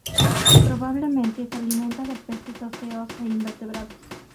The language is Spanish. Probablemente se alimenta de peces óseos e invertebrados.